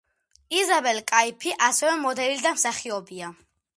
იზაბელ კაიფი ასევე მოდელი და მსახიობია.